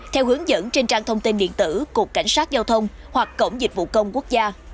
theo hướng dẫn trên trang thông tin điện tử cục cảnh sát giao thông hoặc cổng dịch vụ công quốc gia